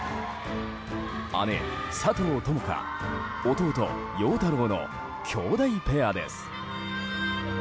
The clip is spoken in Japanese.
姉、佐藤友花弟、陽太郎の姉弟ペアです。